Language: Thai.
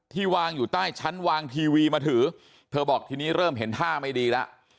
วางอยู่ใต้ชั้นวางทีวีมาถือเธอบอกทีนี้เริ่มเห็นท่าไม่ดีแล้ว